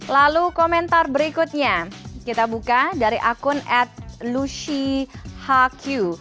lalu komentar berikutnya kita buka dari akun ed lushi hq